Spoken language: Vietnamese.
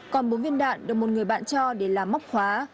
còn bốn viên đạn được một người bạn cho để làm móc khóa